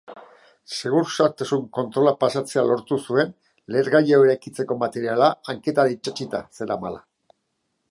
Segurtasun kontrolak pasatzea lortu zuen lehergailua eraikitzeko materiala hanketan itsatsita zeramala.